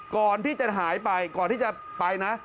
ก่อนที่จะหายไปก่อนที่จะไปนะ